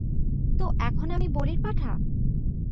তো এখন আমি বলির পাঁঠা?